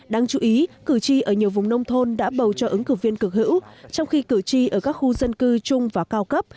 đáng chú ý cử tri ở nhiều vùng nông thôn đã bầu cho ứng cử viên cực hữu trong khi cử tri ở các khu dân cư trung và cao cấp